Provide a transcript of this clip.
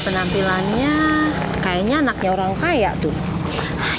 penampilannya kayaknya anaknya orang kaya tuh